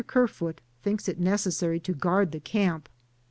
Kerfoot thinks it necessary to guard the camp.